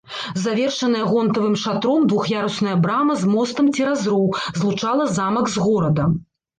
Завершаная гонтавым шатром двух'ярусная брама з мостам цераз роў злучала замак з горадам.